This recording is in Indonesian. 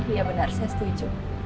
iya benar saya setuju